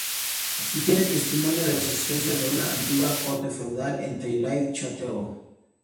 Se tiene testimonio de la existencia de una antigua corte feudal en Thy-le-Château.